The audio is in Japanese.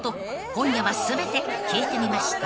今夜は全て聞いてみました］